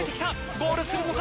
ゴールするのか。